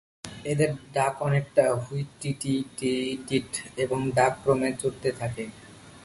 এদের ডাক অনেকটা "হুইট-টি-টি-টি-টিট" এবং ডাক ক্রমে চড়তে থাকে।